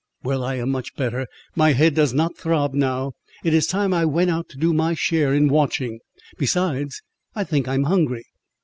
Well, I am much better; my head does not throb now: it is time I went out to do my share in watching; besides, I think I am hungry."